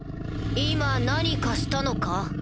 今何かしたのか？